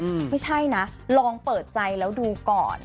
ไม่ใช่นะลองเปิดใจแล้วดูก่อน